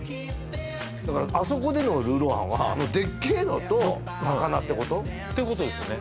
だからあそこでのルーロー飯はあのデッケーのと高菜ってこと？ってことですよね